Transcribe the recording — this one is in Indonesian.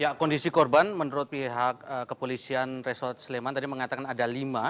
ya kondisi korban menurut pihak kepolisian resort sleman tadi mengatakan ada lima